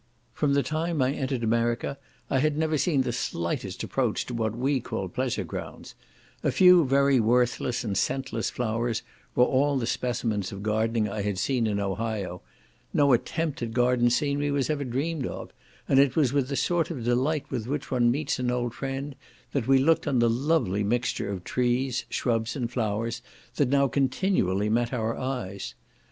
From the time I entered America I had never seen the slightest approach to what we call pleasure grounds; a few very worthless and scentless flowers were all the specimens of gardening I had seen in Ohio; no attempt at garden scenery was ever dreamed of, and it was with the sort of delight with which one meets an old friend, that we looked on the lovely mixture of trees, shrubs, and flowers, that now continually met our eyes.